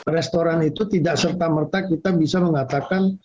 restoran itu tidak serta merta kita bisa mengatakan